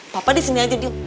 papa disini aja diem